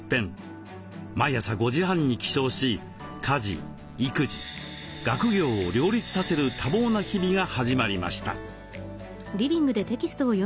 毎朝５時半に起床し家事育児学業を両立させる多忙な日々が始まりました。